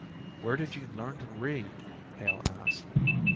"Where did you learn to read?" Hale asked.